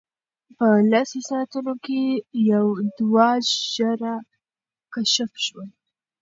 په لسو ساعتونو کې دوه زره کشف شول.